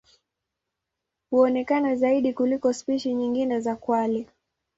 Huonekana zaidi kuliko spishi nyingine za kwale.